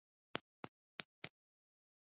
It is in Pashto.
سمه ده دا پيچکارۍ شديد دردونه ختموي.